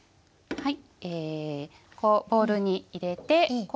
はい。